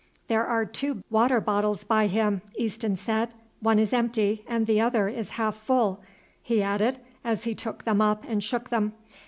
"There are two water bottles by him," Easton said; "one is empty and the other is half full," he added as he took them up and shook them.